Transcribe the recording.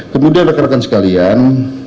kemudian rekan rekan sekalian